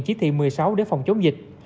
chí thị một mươi sáu để phòng chống dịch